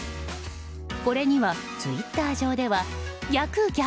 これには、ツイッター上では逆！